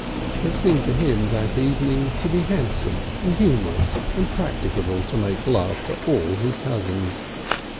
It seemed to him that evening to be handsome and humorous and practicable to make love to all his cousins.